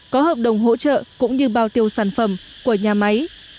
có hợp đồng hỗ trợ cũng như bao tiêu sản phẩm của nhà máy